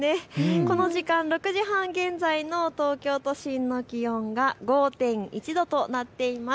この時間、６時半現在の東京都心の気温が５．１度となっています。